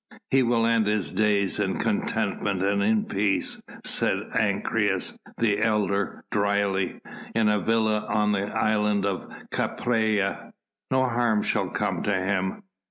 "He will end his days in contentment and in peace," said Ancyrus, the elder, dryly, "in a villa on the island of Capræa. No harm shall come to him.